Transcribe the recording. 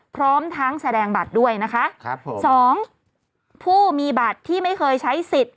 พร้อมทั้งแสดงบัตรด้วยนะคะครับผมสองผู้มีบัตรที่ไม่เคยใช้สิทธิ์